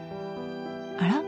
あら？